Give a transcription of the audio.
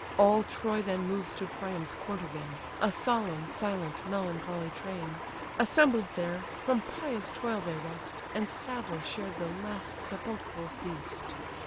All Troy then moves to Priam's court again, A solemn, silent, melancholy train: Assembled there, from pious toil they rest, And sadly shared the last sepulchral feast.